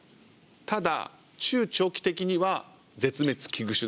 ただ中長期的には絶滅危惧種だと思います。